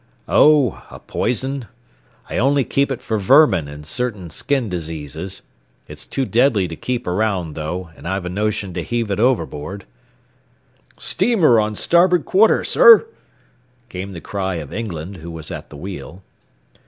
"Oh, a poison. I only keep it for vermin and certain skin diseases. It's too deadly to keep around, though, and I've a notion to heave it overboard " "Steamer on starboard quarter, sir," came the cry of England, who was at the wheel.